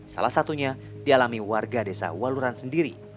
salah satunya dialami warga desa waluran sendiri